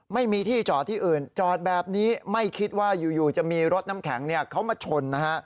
ไม่มีที่จอดที่อื่นจอดแบบนี้ไม่คิดว่าอยู่จะมีรถน้ำแข็งเขามาชนนะฮะ